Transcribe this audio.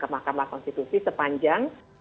ke mahkamah konstitusi sepanjang